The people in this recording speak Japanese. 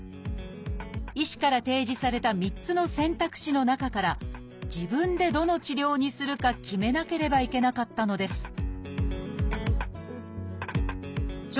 医師から提示された３つの選択肢の中から自分でどの治療にするか決めなければいけなかったのです聴